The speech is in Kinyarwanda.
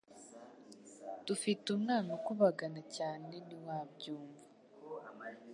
dufite umwana ukubagana cyane ntiwabyumva